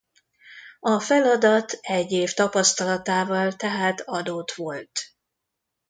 A feladat egy év tapasztalatával tehát adott volt.